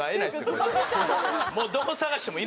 こいつ。